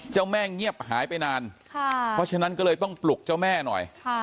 เจ้าแม่เงียบหายไปนานเพราะฉะนั้นก็เลยต้องปลุกเจ้าแม่หน่อย